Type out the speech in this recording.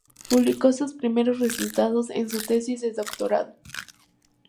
Publicó sus primeros resultados, en su tesis de doctorado.